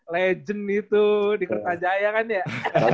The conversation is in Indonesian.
legend itu di kertajaya kan ya